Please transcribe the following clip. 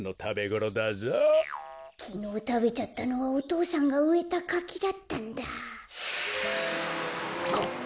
こころのこえきのうたべちゃったのはお父さんがうえたかきだったんだ。